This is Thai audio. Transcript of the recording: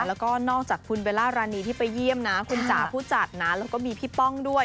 แล้วก็นอกจากคุณเบลล่ารานีที่ไปเยี่ยมนะคุณจ๋าผู้จัดนะแล้วก็มีพี่ป้องด้วย